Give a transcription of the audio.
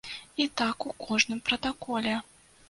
І так у кожным пратаколе.